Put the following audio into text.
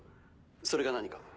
それが何か？